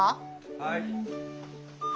はい。